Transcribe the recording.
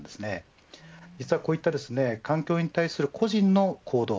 こういった環境に対する個人の行動